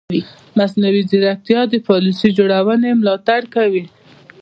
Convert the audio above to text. مصنوعي ځیرکتیا د پالیسي جوړونې ملاتړ کوي.